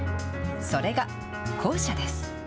それが校舎です。